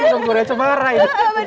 ini sempurna cumara ya